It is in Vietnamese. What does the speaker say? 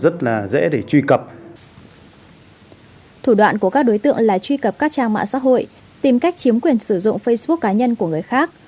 thủ đoạn của các đối tượng là truy cập các trang mạng xã hội tìm cách chiếm quyền sử dụng facebook cá nhân của người khác